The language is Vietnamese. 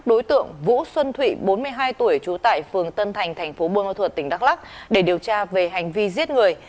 đối tượng vũ xuân thụy bốn mươi hai tuổi trú tại phường tân thành tp hcm tỉnh đắk lắc để điều tra về hành vi giết người